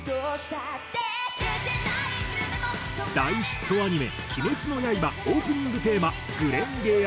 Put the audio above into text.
大ヒットアニメ『鬼滅の刃』オープニングテーマ『紅蓮華』や。